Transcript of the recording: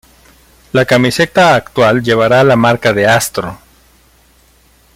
La camiseta actual llevará la marca de Astro.